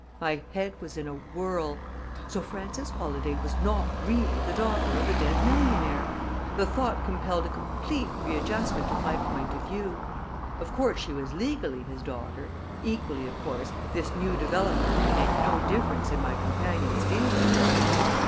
My head was in a whirl. So Frances Holladay was not really the daughter of the dead millionaire! The thought compelled a complete readjustment of my point of view. Of course, she was legally his daughter; equally of course, this new development could make no difference in my companion's feeling for her.